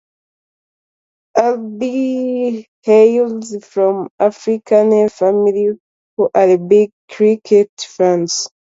Albie hails from an Afrikaner family, who are big cricket fans.